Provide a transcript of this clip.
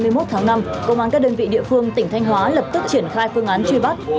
ngay trong chiều ngày ba mươi một tháng năm công an các đơn vị địa phương tỉnh thanh hóa lập tức triển khai phương án truy bắt